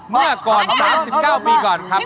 ตะโกนพี่